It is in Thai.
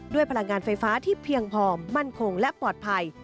พลังงานไฟฟ้าที่เพียงพอมั่นคงและปลอดภัย